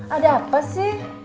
ada apa sih